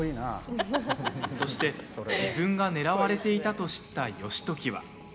そして、自分が狙われていたと知った義時は。